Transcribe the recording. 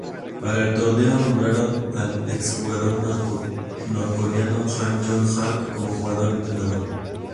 Para el torneo, nombraron al ex jugador norcoreano An Yong-hak como jugador-entrenador.